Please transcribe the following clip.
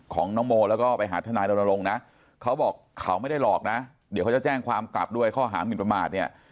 ของแล้วก็ไปหาเท่านายมนตรงนะเค้าบอกเขาไม่ได้หลอกน้ะเดี๋ยวจะแจ้งความตัดด้วยข้อหามิ่นประมาทเนี่ย